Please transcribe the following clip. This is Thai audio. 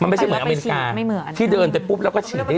มันไม่ใช่เหมือนอเมริกาที่เดินไปปุ๊บแล้วก็ฉีดได้